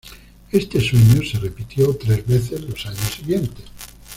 Este sueño se repitió tres veces los años siguientes.